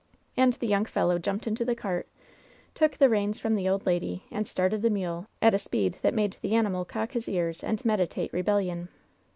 And the yoimg fellow jumped into the cart, took the reins from the old lady, and started the mule at a speed that made the animal cock his ears and meditate re bellion.